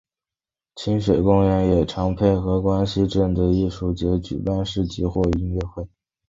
亲水公园也常配合关西镇的艺术节举办市集或是音乐会。